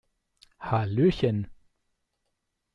Hallöchen!